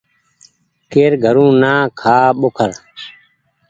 ڪير گھرون نا کآ ٻوکر